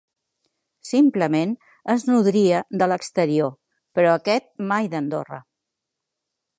Simplement es nodria de l’exterior, però aquest mai d’Andorra.